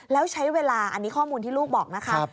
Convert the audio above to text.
แล้วใช้เวลาอันนี้ข้อมูลที่ลูกบอกนะคะ